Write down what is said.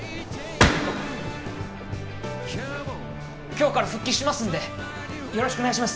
今日から復帰しますんでよろしくお願いします。